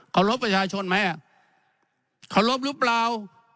รบประชาชนไหมเคารพหรือเปล่า